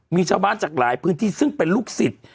มีชาวบ้านจากหลายพื้นที่ซึ่งเป็นลูกศิษย์